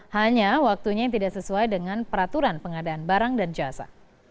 hanya waktunya yang tidak sesuai dengan peraturan pengadaan barang dan jasa